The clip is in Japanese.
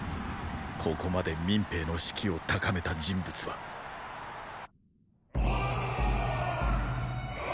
ここまで民兵の士気を高めた人物はオオオオオ！！